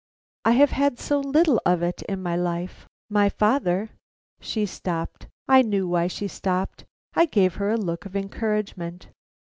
I have had so little of it in my life. My father " She stopped; I knew why she stopped. I gave her a look of encouragement.